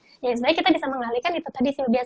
sebenernya kita bisa mengalihkan itu tadi sih